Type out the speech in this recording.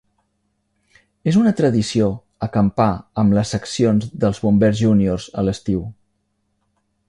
És una tradició acampar amb les seccions dels bombers júnior a l'estiu.